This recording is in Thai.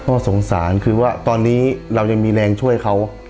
ก็สงสารคือว่าตอนนี้เรายังมีแรงช่วยเขา